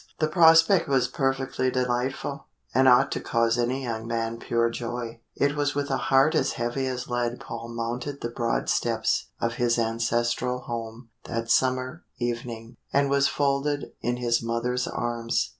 The prospect was perfectly delightful, and ought to cause any young man pure joy. It was with a heart as heavy as lead Paul mounted the broad steps of his ancestral home that summer evening, and was folded in his mother's arms.